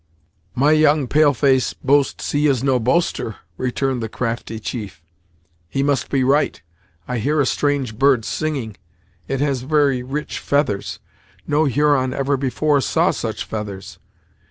"My young pale face boasts he is no boaster," returned the crafty chief: "he must be right. I hear a strange bird singing. It has very rich feathers. No Huron ever before saw such feathers!